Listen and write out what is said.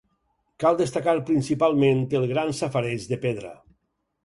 Cal destacar principalment el gran safareig de pedra.